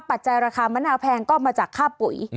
ปัจจัยราคามะนาวแพงก็มาจากค่าปุ๋ย